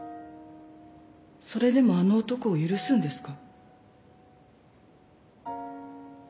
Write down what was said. それでもあの男を許すんですか？